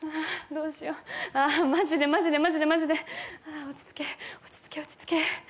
どうしようああマジでマジでマジでマジでああ落ち着け落ち着け落ち着け